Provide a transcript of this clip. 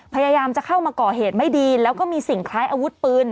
พยายามจะเข้ามาก่อเหตุไม่ดีแล้วก็มีสิ่งคล้ายอาวุธปืน